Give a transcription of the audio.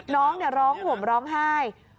น้องเนี่ยร้องห่มร้องไห้